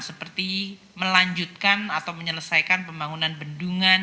seperti melanjutkan atau menyelesaikan pembangunan bendungan